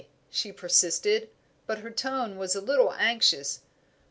she persisted but her tone was a little anxious.